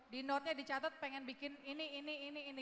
di note nya dicatat pengen bikin ini ini ini